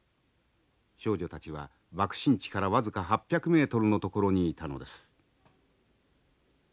少女たちは爆心地から僅か８００メートルの所にいたのです。